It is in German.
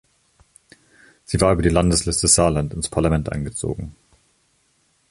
Sie war über die Landesliste Saarland ins Parlament eingezogen.